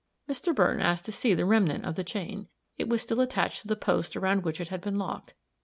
Mr. Burton had asked to see the remnant of the chain. It was still attached to the post around which it had been locked.